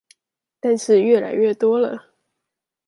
但是越來越多了